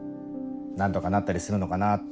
何とかなったりするのかなって。